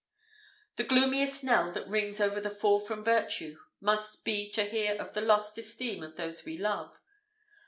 '" The gloomiest knell that rings over the fall from virtue must be to hear of the lost esteem of those we love.